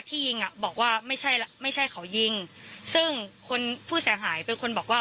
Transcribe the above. ที่ยิงอ่ะบอกว่าไม่ใช่ไม่ใช่เขายิงซึ่งคนผู้เสียหายเป็นคนบอกว่า